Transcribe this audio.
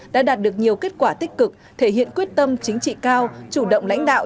đã đạt được nhiều kết quả tích cực thể hiện quyết tâm chính trị cao chủ động lãnh đạo